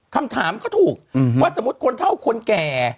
คำถามก็ถูกว่าสมมุติคนเท่าคนแก่